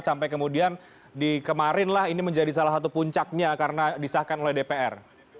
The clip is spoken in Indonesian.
sampai kemudian di kemarin lah ini menjadi salah satu puncaknya karena disahkan oleh dpr